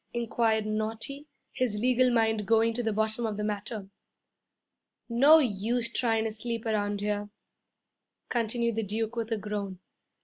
inquired Naughty, his legal mind going to the bottom of the matter. 'No use tryin' to sleep around here,' continued the Duke with a groan.